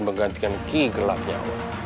menggantikan ki gelapnya